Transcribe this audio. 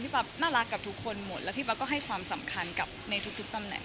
ปั๊บน่ารักกับทุกคนหมดแล้วพี่ปั๊บก็ให้ความสำคัญกับในทุกตำแหน่ง